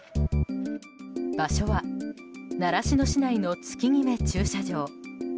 場所は習志野市内の月決め駐車場。